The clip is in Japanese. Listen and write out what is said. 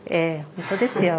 本当ですよ。